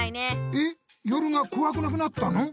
えっ夜がこわくなくなったの？